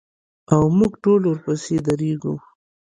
او موږ ټول ورپسې درېږو.